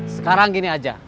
sekarang gini aja